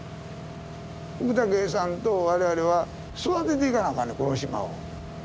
福武さんと我々は育てていかなあかんねんこの島を。